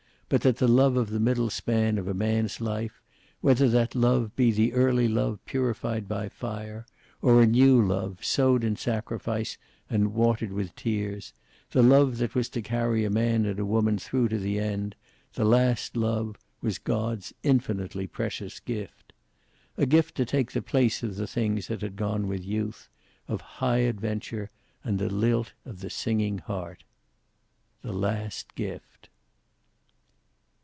But that the love of the middle span of a man's life, whether that love be the early love purified by fire, or a new love, sowed in sacrifice and watered with tears, the love that was to carry a man and a woman through to the end, the last love, was God's infinitely precious gift. A gift to take the place of the things that had gone with youth, of high adventure and the lilt of the singing heart. The last gift.